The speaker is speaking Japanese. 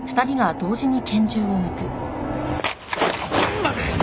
待て！